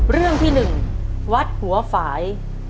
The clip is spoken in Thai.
เรื่องที่๑วัดหัวฝ่าย